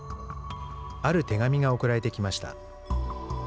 ある手紙が送られてきました。